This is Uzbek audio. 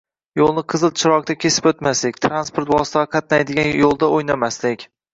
yo‘lni qizil chiroqda kesib o‘tmaslik, transport vositasi qatnaydigan yo‘lda o‘ynamaslik